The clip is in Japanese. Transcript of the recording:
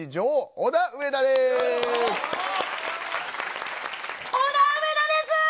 オダウエダです！